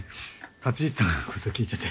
立ち入ったこと聞いちゃって。